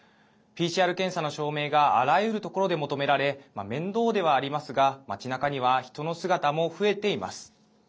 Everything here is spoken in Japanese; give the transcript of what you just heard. ＰＣＲ検査の証明があらゆるところで求められ面倒ではありますが町なかには人の姿も増えています。